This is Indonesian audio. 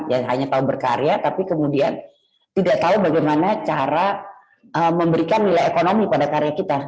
yang hanya tahu berkarya tapi kemudian tidak tahu bagaimana cara memberikan nilai ekonomi pada karya kita